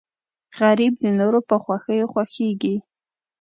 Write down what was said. غریب د نورو په خوښیو خوښېږي